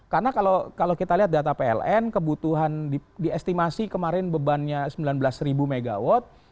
karena kalau kita lihat data pln kebutuhan diestimasi kemarin bebannya sembilan belas ribu mw